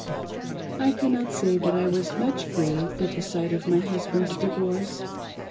I cannot say that I was much grieved at the sight of my hus' band's divorce.